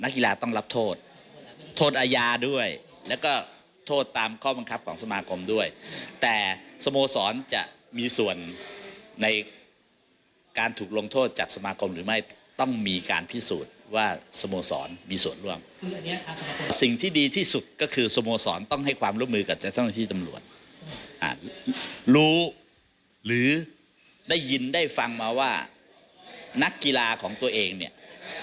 กับท่านท่านที่จำนวนรู้หรือได้ยินได้ฟังมาว่านักกีฬาของตัวเองเนี่ย